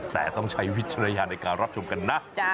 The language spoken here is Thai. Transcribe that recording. แต่ต้องใช้วิจารณญาณในการรับชมกันนะ